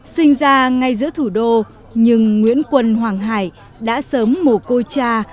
sinh ra ngay giữa thủ đô nhưng nguyễn quân hoàng hải đã sớm mổ cô cha